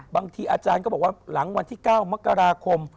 บางทีอาจารย์ก็บอกว่าหลังวันที่๙มกราคม